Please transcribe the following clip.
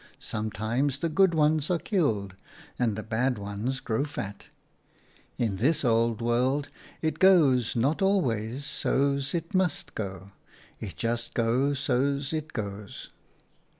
Sometimes the good ones are killed and the bad ones grow fat. In this old world it goes not always so's it must go ; it just go so's it goes."